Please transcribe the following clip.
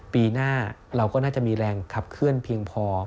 ปีหน้าเราก็น่าจะมีแรงขับเคลื่อนเพียงพอ